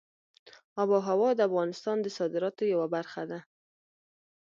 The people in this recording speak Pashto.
آب وهوا د افغانستان د صادراتو یوه برخه ده.